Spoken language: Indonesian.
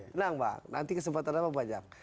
tenang bang nanti kesempatan abang baca